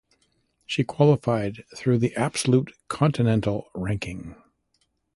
She qualified through the Absolute Continental Ranking.